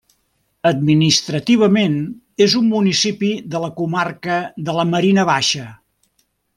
Administrativament és un municipi de la comarca de la Marina Baixa.